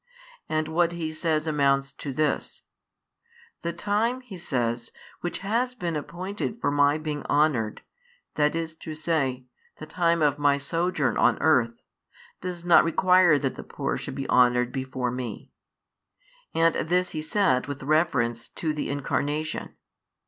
And what He says amounts to this: The time, He says, which has been appointed for My being honoured, that is to say, the time of My sojourn on earth, does not require that the poor should be honoured before Me. And this He said with reference to the Incarnation.